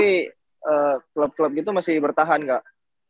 tapi klub klub gitu masih bertahan kak